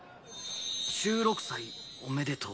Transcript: １６歳おめでとう。